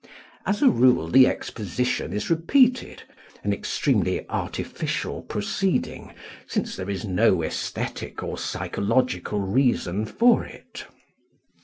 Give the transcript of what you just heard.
As a rule the exposition is repeated an extremely artificial proceeding, since there is no esthetic or psychological reason for it.